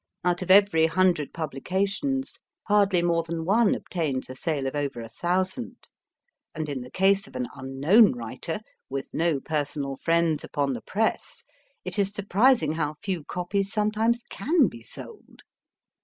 Out of every hundred publi cations hardly more than one obtains a sale of over a thousand, and, in the case of an unknown writer, with no personal friends upon the Press, it is surprising how few copies sometimes can be sold.